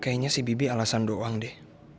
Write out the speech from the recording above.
kayaknya si bibi alasan doang deh